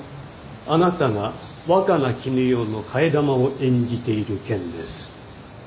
あなたが若菜絹代の替え玉を演じている件です。